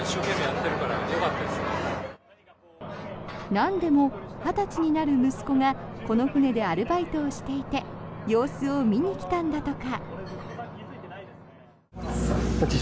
なんでも２０歳になる息子がこの船でアルバイトをしていて様子を見に来たんだとか。